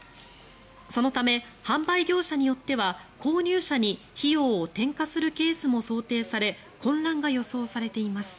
そのため販売業者によっては購入者に費用を転嫁するケースも想定され混乱が予想されています。